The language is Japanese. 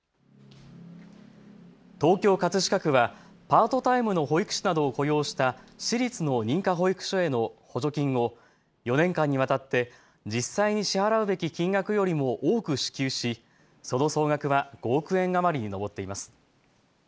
東京葛飾区はパートタイムの保育士などを雇用した私立の認可保育所への補助金を４年間にわたって実際に支払うべき金額よりも多く支給しその総額は５億円余りに上っています。